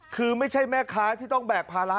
คือไม่ใช่แม่ค้าที่ต้องแบกภาระ